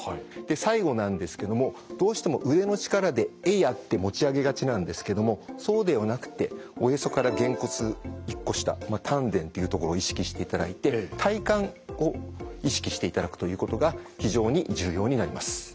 最後なんですけどもどうしても上の力で「えいや！」って持ち上げがちなんですけどもそうではなくておへそからげんこつ１個下丹田っていう所を意識していただいて体幹を意識していただくということが非常に重要になります。